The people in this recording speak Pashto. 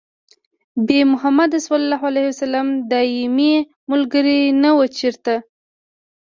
بې محمده ص دايمي ملګري نه وو چېرته